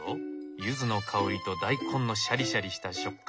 ユズの香りと大根のシャリシャリした食感。